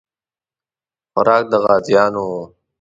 خوراک د غازیانو وو.